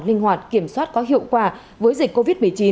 linh hoạt kiểm soát có hiệu quả với dịch covid một mươi chín